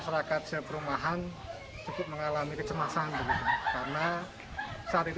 gak ada yang pengen sakit